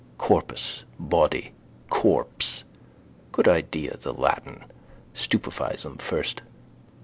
Corpus: body. Corpse. Good idea the Latin. Stupefies them first.